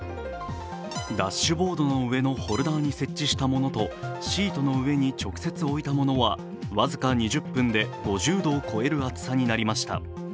ダッシュボードの上のホルダーに設置したものとシートの上に直接置いたものは僅か２０分で５０度を超える熱さになりました。